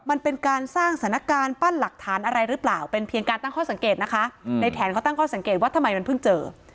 มันเป็นการสร้างสถานการณ์ปั้นหลักฐานอะไรหรือเปล่าเป็นเพียงการตั้งข้อสังเกตนะคะในแถนเขาตั้งข้อสังเกตว่าทำไมมันเพิ่งเจอ